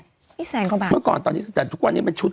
นี่แสนครบากก่อนตอนนี้เมื่อก่อนตอนนี้แต่ถูกว่าอย่างนี้ชุด